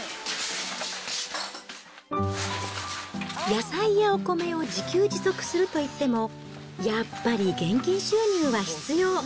野菜やお米を自給自足するといっても、やっぱり現金収入は必要。